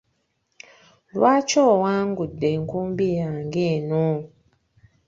Lwaki owangudde enkumbi yange eno?